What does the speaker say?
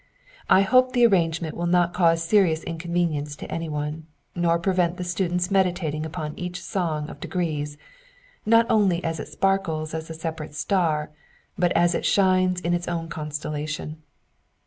I hope the arrangement will not cause serious inconvenience to anyone ; nor prevent the student's meditating upon each Song of De grees, not only as it sparkles as a separate star, but as it shines in its own constellation.